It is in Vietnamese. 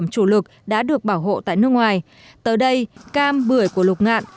các sản phẩm chủ lực đã được bảo hộ tại nước ngoài tới đây cam bưởi của lục ngạn